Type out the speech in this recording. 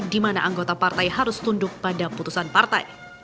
di mana anggota partai harus tunduk pada putusan partai